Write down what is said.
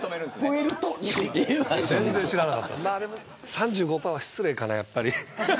３５％は失礼かな、やっぱり。